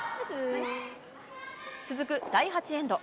続く第８エンド。